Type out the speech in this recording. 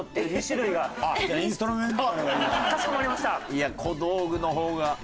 いや小道具の方が。